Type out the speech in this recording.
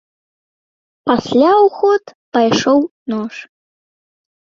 Пасля ў ход пайшоў нож.